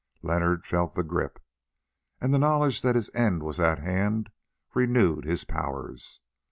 Leonard felt the grip, and the knowledge that his end was at hand renewed his powers.